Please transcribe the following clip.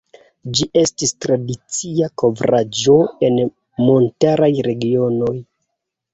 Ĝi estis tradicia kovraĵo en montaraj regionoj.